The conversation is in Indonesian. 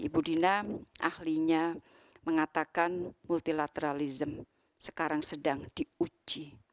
ibu dina ahlinya mengatakan multilateralism sekarang sedang diuji